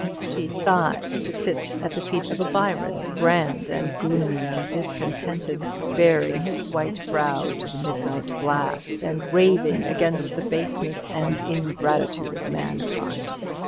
She sighed to sit at the feet of a Byron, grand and gloomy and discontented, baring his white brow to the midnight blast, and raving against the baseness and ingratitude of mankind.